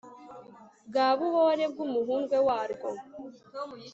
bwa buhore bw'umuhurwe warwo